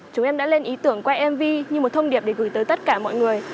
chúng em đã lên ý tưởng quay mv như một thông điệp để gửi tới tất cả mọi người